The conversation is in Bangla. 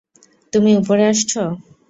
তুমি উপরে আসছ?